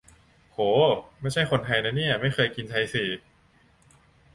โห 'ไม่ใช่คนไทย' นะเนี่ย ไม่เคยกินชายสี่